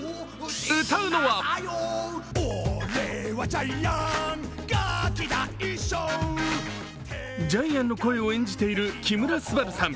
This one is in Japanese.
歌うのはジャイアンの声を演じている木村昴さん。